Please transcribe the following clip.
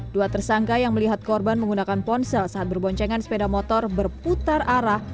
dua tersangka yang melihat korban menggunakan ponsel saat berboncengan sepeda motor berputar arah